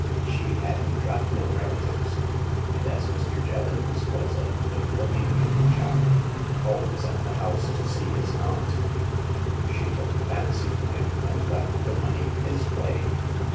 She hadn't got no relatives ; and as Mr. Jevons was a good looking young chap, always at the house to see his aunt, she took a fancy to him and left the money his way."